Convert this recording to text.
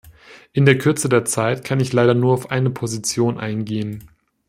In der Kürze der Zeit kann ich leider nur auf eine Position eingehen.